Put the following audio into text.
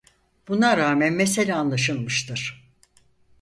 Buna rağmen mesele anlaşılmıştır.